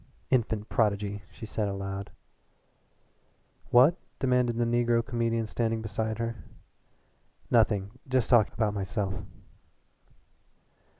"Infant prodigy!" she said aloud. "What?" demanded the negro comedian standing beside her. "Nothing just talking about myself."